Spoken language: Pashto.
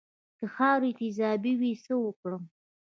که خاوره تیزابي وي څه وکړم؟